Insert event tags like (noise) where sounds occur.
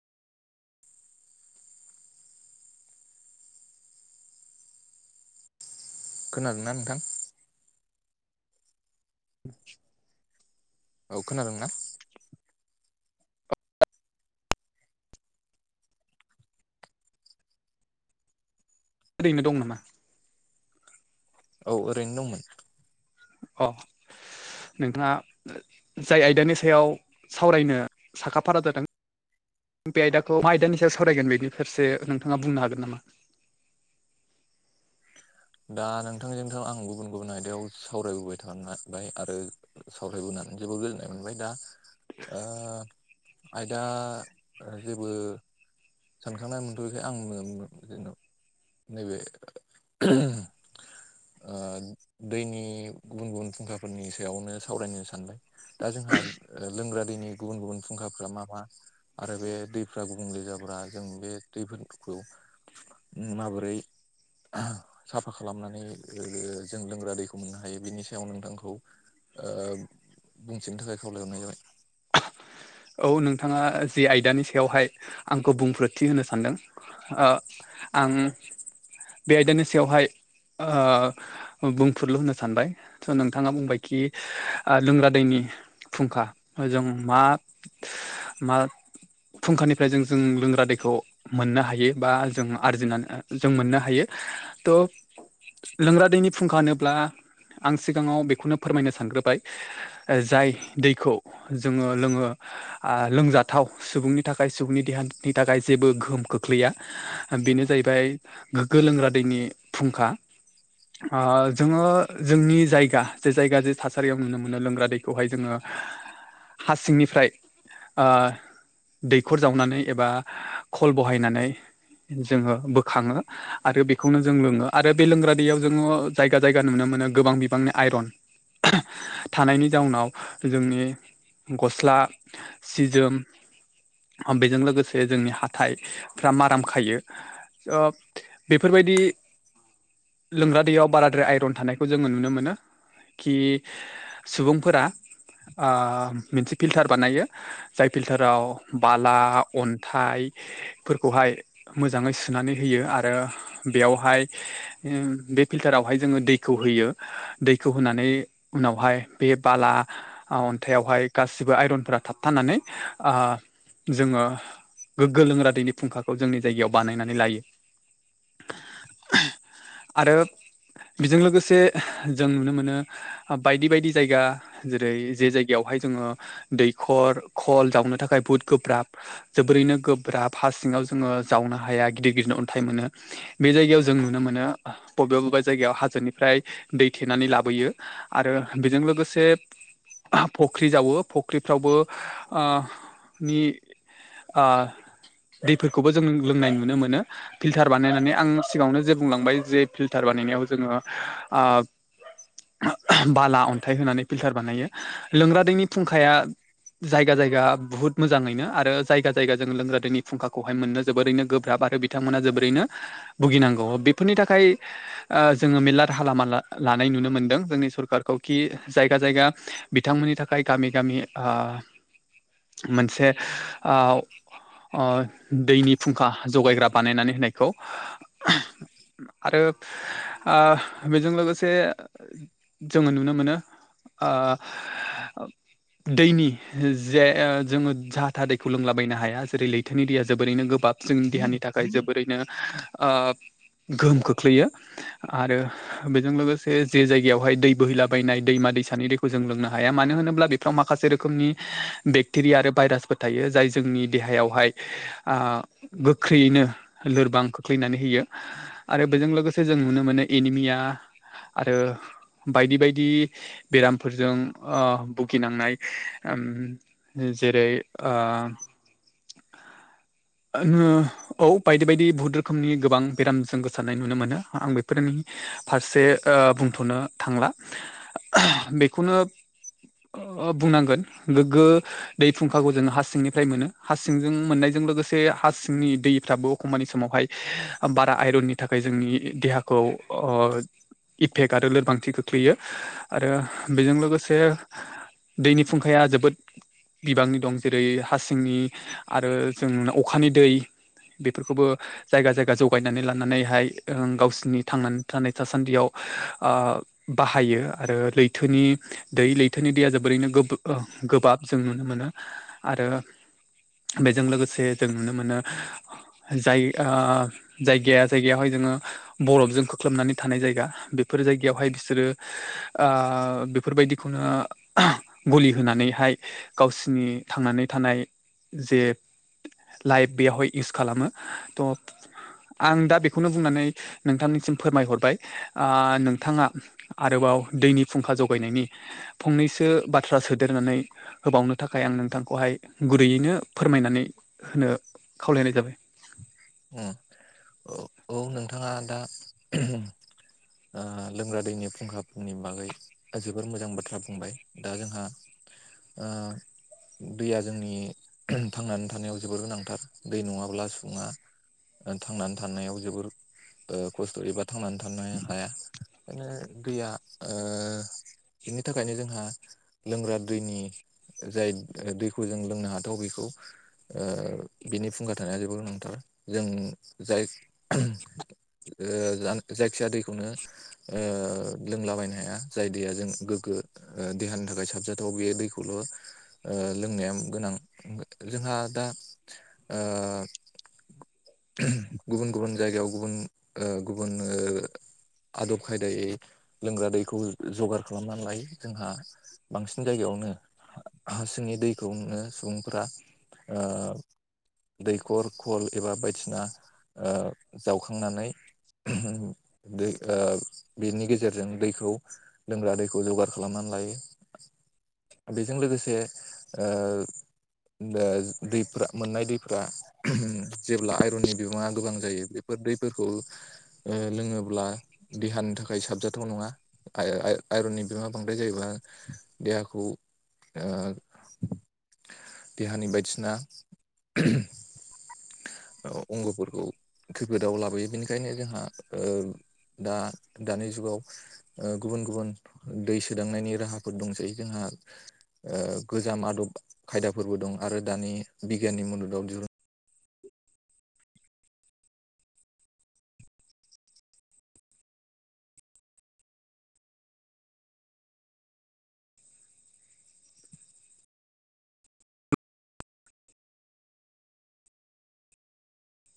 खोनादोंना नोंथां (unintelligible) औ खोनादोंना ओरैनो दं नामा औ ओरैनो दंमोन अ नोंथाङा जाय आयदानि सायाव सावरायनो साखाफारा जादों बे आयदाखौ मा आयदानि सायाव सावरायगोन बेनिफोरसो नोंथाङा बुंनो हागोन नामा दा नोंथांजोंथ' आं गुबुन गुबुन आयदायाव सावरायबोबाय थाबाय आरो सावरायबोनानै जोबोर गोजोननाय मोनबाय दा ओ आयदा जेबो सानखांनाय मोनथ'यैखाय आं (unintelligible) उ ओ दैनि गुबुन गुबुन फुंखाफोरनि सायावनो सावरायनो सानबाय दा जोंहा लोंग्रा दैनि गुबुन गुबुन फुंखाफोरा मा मा आरो बे दैफ्रा गुबुंले जाब्रा जों बे दैफोरखौ माबोरै साफा खालामनानै ओ जों लोंग्रा दैखौ मोननो हायो बिनि सायाव नोंथांखौ ओ बुंथिनो थाखाय खावलायहरनाय जाबाय। औ नोंथाङा जिे आयदानि सायावहाय आंखौ बुंफोरोथि होनो सानदों। ओ आं बे आयदानि सायावहाय ओ बुंफोरुरलु होनो सानबाय स' नोंथाङा बुंबायखि लोंग्रा दैनि फुंखा जों मा मा फुंखानिफ्राय जों जों लोंग्रा दैखौ मोननो हायो बा जों आरजिनानै जों मोननो हायो थ' लोंग्रा दैनि फुंखा होनोब्ला आं सिगाङाव बेखौनो फोरमायनो सानग्रोबाय। जाय दैखौ जोङो लोङो। आ लोंजाथाव सुबुंनि थाखाय सुबुंनि देहानि थाखाय जेबो गोहोम खोख्लैया बेनो जाहैबाय गोग्गो लोंग्रा दैनि फुंखा ओ जोङो जोंनि जायगा जे जायगा जे थासारियाव नुनो मोनो लोंग्रा दै खौहाय जोङो हा सिंनिफ्राय ओ दैखर जावनानै एबा खल बहायनानै जोङो बोखाङो आरो बेखौनो जों लोङो आरो बे लोंग्रा दैयाव जोङो जायगा जायगा नुनो मोनो गोबां बिबांनि आइरन थानायनि जाउनाव जोंनि गस्ला सि जोम बेजों लोगोसे जोंनि हाथायफ्रा माराम खायो। ओ बेफोरबायदि लोंग्रा दैयाव बाराद्राय आइरन थानायखौ जोङो नुनो मोनो खि सुबुंफोरा ओ मोनसे फिल्टार बानायो जाय फिल्टाराव बाला अन्थाइ फोरखौहाय मोजाङै सुनानै होयो आरो बेयावहाय बे फिल्टारावहाय जोङो दैखौ होयो दैखौ होनानै उनावहाय बे बाला अन्थाइावहाय गासिबो आइरन फ्रा थाबथानानै ओ जोङो गोग्गो लोंग्रा दैनि फुंखाखौ जोंनि जायगायाव बानायनानै लायो। (inaudible) (unintelligible) आरो बेजों लोगोसे जों नुनो मोनो। बायदि बायदि जायगा जेरै जे जायगायावहाय जोङो दैखर खल जावनो थाखाय बुहुद गोब्राब जोबोरैनो गोब्राब फार सिङाव जोङो जावनो हाया गिदिर गिदिरनो अन्थाइ मोनो। बे जायगायाव जों नुनो मोनो। बबेबा बबेबा जायगायाव हाजोनिफ्राय दै थेनानै लाबोयो आरो बेजों लोगोसे फख्रि जावो फख्रिफ्रावबो ओ नि ओ दैफोरखौबो जों लोंनाय नुनो मोनो। फिल्टार बानायनानै आं सिगाङावनो जे बुंलांबाय जे फिल्टार बानायनायाव जोङो ओ बाला अन्थाइ होनानै फिल्टार बानायो लोंग्रा दैनि फुंखाया जायगा जायगा बुहुद मोजाङैनो आरो जायगा जायगा जोङो लोंग्रा दैनि फुंखाखौहाय मोननो जोबोरैनो गोब्राब आरो बिथांमोना जोबोरैनो भुगिनांगौ बेफोरनि थाखाय जोङो मेरला राहा लामा लानाय नुनो मोनदों जोंनि सरखारखौ खि जायगा जायगा बिथांमोननि थाखाय गामि गामि ओ मोनसे ओ ओ दैनि फुंखा जगायग्रा बानायनानै होनायखौ आरो ओ बेजों लोगोसे जोङो नुनो मोनो ओ ओब दैनि जे ओ जोङो जाहा थाहा दैखौ लोंलाबायनो हाया जेरै लैथोनि दैया जोबोरैनो गोबाब जोंनि देहानि थाखाय जोबोरैनो ओब गोहोम खोख्लैयो आरो बेजों लोगोसे जे जायगायावहाय दै बोहैलाबायनाय दैमा दैसानि दै जों लोंनो हाया मानो होनोब्ला बेफ्राव माखासे रोखोमनि बेक्टेरिया आरो भाइरासफोर थायो जाय जोंनि देहायावहाय ओ गोख्रैयैनो लोरबां खोख्लैनानै होयो। आरो बेजों लोगोसे जों नुनो मोनो एनिमिया आरो बायदि बायदि बेरामफोरजों ओ भुगिनांनाय ओम जेरै ओ ओ औ बायदि बायदि बहुत रोखोमनि गोबां बेरामजों गोसारनाय नुनो मोनो आं बेफोरनि फारसे ओ बुंथ'नो थांला बेखौनो बुंनांगोन गोगो दै फुंखाखौ जोङो हासिंनिफ्राय मोनो हासिंजों मोननायजों लोगोसे से हा सिंनि दैफ्राबो एखमबानि समावहाय बारा आइरननि थाखाय जोंनि देहा खौ ओ इफेक्ट आरो लोरबांथि खो खख्लैयो आरो बेजों लोगोसे दैनि फुंखाया जोबोद बिबांनि दं जेरै हासिंनि आरो जों‌ नुनाव अखानि दै बेफोरखौबो जायगा जायगा जौगायनानै लानानैहाय ओ गावसिनि थांनानै थानाय थासान्दियाव ओ बाहायो आरो लैथोनि दै लैथोनि दैया जोबोरैनो गोब ओ गोबाब जों नुनो मोनो आरो बेजों लोगोसे जों नुनो मोनो जाय जायगाया जायगायावहाय जोङो बरफजों खोख्लोमनानै थानाय जायगा बेफोर जायगायावहाय बिसोरो आ बेफोरबायदिखौनो गलि होनानैहाय गावसिनि थांनानै थानाय जे लाइफ बेयावहाय इउस खालामो त' आं दा बेखौनो बुंनानै नोंथांनिसिम फोरमायहरबाय आ नोंथाङा आरोबाव दैनि फुंखा जगायनायनि फंनैसो बाथ्रा सोदेरनानै होबावनो थाखाय आं नोंथांखौहाय गुरैयैनो फोरमायनानै होनो खावलायनाय जाबाय अ ओ औ नोंथाङा दा दा लोंग्रा दैनि फुंखाफोरनि बागै जोबोर मोजां बाथ्रा बुंबाय दा जोंहा ओ दैया जोंनि थांनानै थानायाव जोबोर गोनांथार दै नङाब्ला सुबुङा ओ थांनानै थानायाव जोबोर ओ खस्थ'यै एबा थांनानै थानो हाया ओखायनो दैया ओ बिनि थाखायनो जोंहा लोंग्रा दैनि जाय दैखौ जों लोंनो हाथाव बेखौ ओ बिनि फुंखा थानाया जोबोर गोनां ओ जों जाय ओ जायखिया दैखौनो ओ लोंलाबायनो हाया जाय दैया जों गोग्गो ओ देहानि थाखाय साबजाथाव बे दैखौल' ओ लोंनाया गोनां जोंहा दा ओ गुबुन गुबुन जायगायाव गुबुन ओ गुबुन ओ आदब खायदायै लोंग्रा दैखौ जगार खालामनानै लायो जोंहा बांसिन जायगायावनो हासिंनि दैखौ नुनो सुबुंफोरा ओ दैखर खल एबा बायदिसिना ओ जावखांनानै दै ओ बेनि गेजेरजों दैखौ लोंग्रा दैखौ जगार खालामनानै लायो बेजों लोगोसे ओ दा दै फोरा मोन्नाय दैफोरा जेब्ला आइरननि बिबाङा गोबां जायो बेफोर दैफोरखौ ओ लोङोब्ला देहानि थाखाय साबजाथाव नङा आयरननि बिमा बांद्राय जायोबा देहाखौ देहानि बायदिसिना अंगफोरखौ खैफोदाव लाबोयो बेनिखायनो जोंहा दा दानि जुगाव गुबुन गुबुन दै सोदांनायनि राहाफोर दंसै जोंहा ओ गोजाम आदब खायदाफोरबो दं आरो दानि बिगियाननि मददआव दिहुन